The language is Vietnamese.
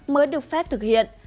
mới được phép thực hiện